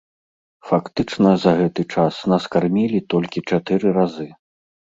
Фактычна за гэты час нас кармілі толькі чатыры разы.